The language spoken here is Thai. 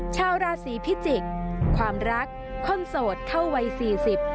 ชาวราศีพิจิกษ์ความรักคนโสดเข้าวัยสี่สิบ